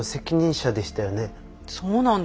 そうなんだ？